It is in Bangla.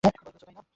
ভয় পেয়েছ, তাই না?